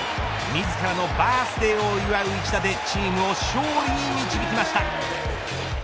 自らのバースデーを祝う一打でチームを勝利に導きました。